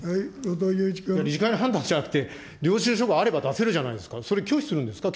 理事会の判断じゃなくて、領収書があれば出せるじゃないですか、それ、拒否するんですか。